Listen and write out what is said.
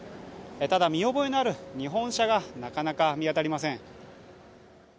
ただ、見覚えのある日本車がなかなか見当たりません。